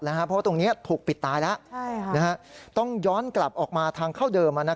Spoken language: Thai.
เพราะว่าตรงนี้ถูกปิดตายแล้วต้องย้อนกลับออกมาทางเข้าเดิม